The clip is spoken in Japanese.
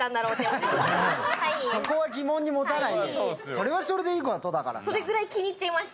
それはそれでいいことだからさ。